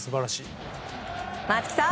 松木さん